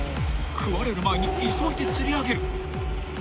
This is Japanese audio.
［食われる前に急いで釣り上げる］